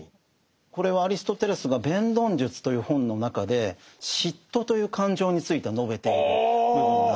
これはアリストテレスが「弁論術」という本の中で嫉妬という感情について述べている部分なんです。